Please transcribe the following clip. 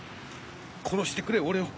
殺してくれ俺を。